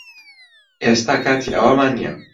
ئێستا کاتی ئەوەمان نییە